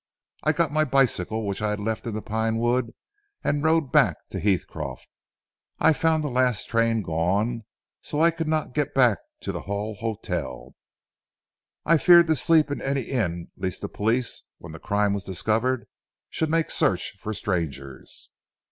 I got my bicycle which I had left in the Pine wood and rode back to Heathcroft. I found the last train gone, so I could not get back to the Hull Hotel. I feared to sleep in any inn lest the police, when the crime was discovered, should make search for strangers.